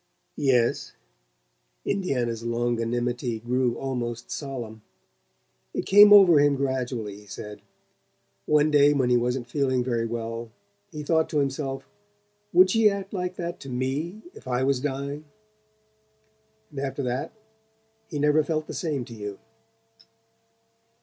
"Yes." Indiana's longanimity grew almost solemn. "It came over him gradually, he said. One day when he wasn't feeling very well he thought to himself: 'Would she act like that to ME if I was dying?' And after that he never felt the same to you."